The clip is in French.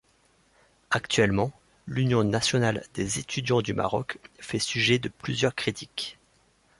Actuellement, l'Union nationale des étudiants du Maroc fait sujet de plusieurs critiques.